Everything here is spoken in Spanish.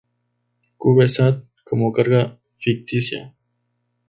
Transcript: CubeSat como carga ficticia.